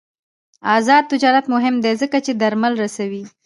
آزاد تجارت مهم دی ځکه چې درمل رسوي.